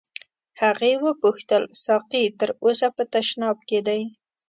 هغې وپوښتل ساقي تر اوسه په تشناب کې دی.